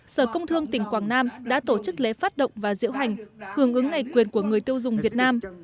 sở công thương tỉnh quảng nam đã tổ chức lễ phát động và diễu hành hưởng ứng ngày quyền của người tiêu dùng việt nam